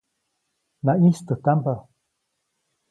Naʼyĩstäjtampa.